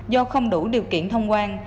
do không đủ điều kiện thông quan